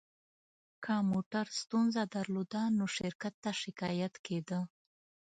که موټر ستونزه درلوده، نو شرکت ته شکایت کېده.